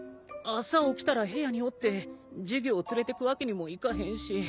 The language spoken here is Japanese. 朝起きたら部屋におって授業連れてくわけにもいかへんし。